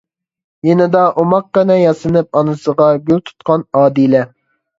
يېنىدا ئوماققىنە ياسىنىپ ئانىسىغا گۈل تۇتقان ئادىلە.